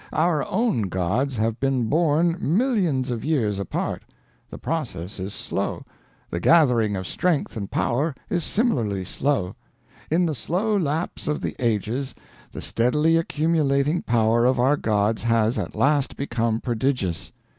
Our own gods have been born millions of years apart. The process is slow, the gathering of strength and power is similarly slow. In the slow lapse of the ages the steadily accumulating power of our gods has at last become prodigious.